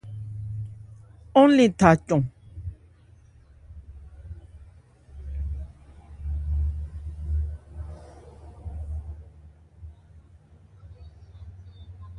Ɔ́n né tha cɔn.